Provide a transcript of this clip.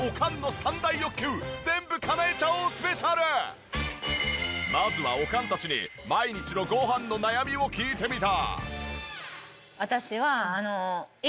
今回はまずはおかんたちに毎日のごはんの悩みを聞いてみた。